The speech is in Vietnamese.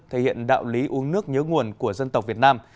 thể hiện đạo lý uống nước nhớ nguồn của dân tộc việt nam